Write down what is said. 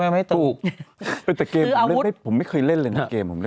ไม่ให้เติมถูกเออแต่เกมผมไม่ไม่ผมไม่เคยเล่นเลยนะเกมผม